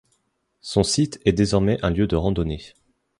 Son site est désormais un lieu de randonnée.